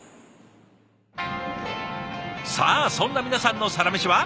さあそんな皆さんのサラメシは？